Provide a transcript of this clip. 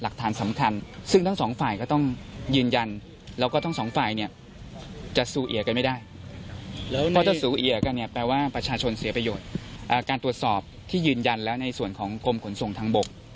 การตรวจสอบที่ยืนยันแล้วในส่วนของกรมขนส่งทางบก